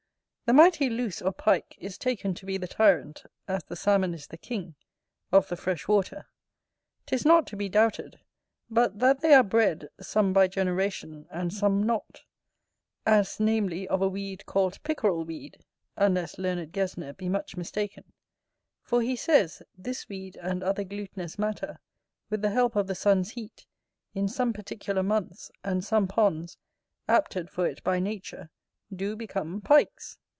The mighty Luce or Pike is taken to be the tyrant, as the Salmon is the king, of the fresh water. 'Tis not to be doubted, but that they are bred, some by generation, and some not; as namely, of a weed called pickerel weed, unless learned Gesner be much mistaken, for he says, this weed and other glutinous matter, with the help of the sun's heat, in some particular months, and some ponds, apted for it by nature, do become Pikes.